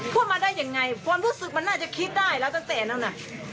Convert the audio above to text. พูดมาได้ยังไงความรู้สึกมันน่าจะคิดได้แล้วตั้งแต่นั้นน่ะ